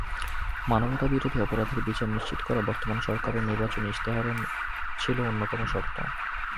মানবতাবিরোধী অপরাধের বিচার নিশ্চিত করা বর্তমান সরকারের নির্বাচনী ইশতেহারের ছিল অন্যতম শর্ত।